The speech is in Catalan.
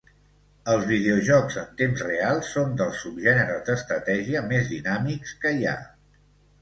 Els videojocs en temps real són dels subgèneres d’estratègia més dinàmics que hi ha.